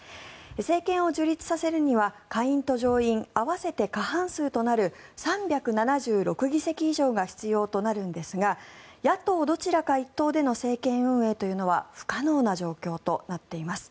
政権を樹立させるには下院と乗員合わせて過半数となる３７６議席以上が必要となるんですが野党どちらか１党での政権運営というのは不可能な状況となっています。